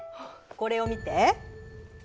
これを見て。